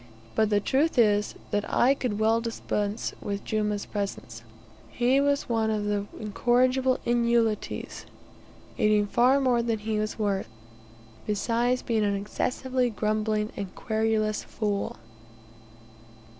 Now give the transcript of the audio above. But the truth is, that I could well dispense with Jumah's presence: he was one of the incorrigible inutiles, eating far more than he was worth; besides being an excessively grumbling and querulous fool.